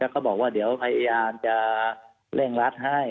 เขาบอกว่าเดี๋ยวพยายามจะเร่งรัดให้